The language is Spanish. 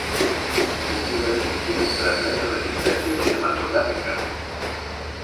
Un lugar en el cine trata de la resistencia cinematográfica.